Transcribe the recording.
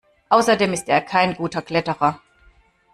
Außerdem ist er kein guter Kletterer.